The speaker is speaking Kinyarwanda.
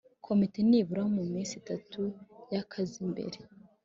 Komite nibura mu minsi itatu y akazi mbere